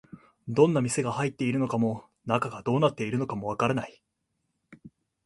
どんな店が入っているのかも、中がどうなっているのかもわからない